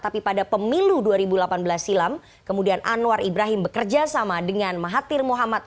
tapi pada pemilu dua ribu delapan belas silam kemudian anwar ibrahim bekerja sama dengan mahathir muhammad